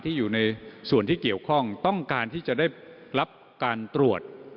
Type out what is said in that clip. อยู่ในส่วนที่เกี่ยวข้องต้องการที่จะได้รับการตรวจ